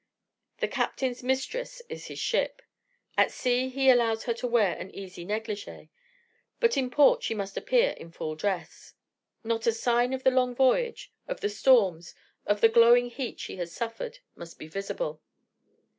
The captain's mistress is his ship. At sea he allows her to wear an easy neglige, but in port she must appear in full dress. Not a sign of the long voyage, of the storms, of the glowing heat she has suffered, must be visible.